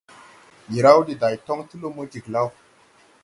Ndi raw de day toŋ ti lumo jiglaw.